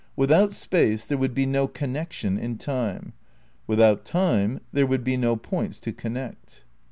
"Without Space there would be no connection in Time. Without Time there would be no points to connect."